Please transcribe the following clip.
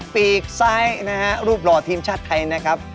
ปีกซ้ายนะฮะรูปหล่อทีมชาติไทยนะครับ